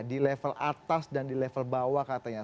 di level atas dan di level bawah katanya